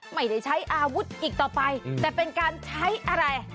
ไม่ได้ใช้อาวุธอีกต่อไปแต่เป็นการใช้อะไร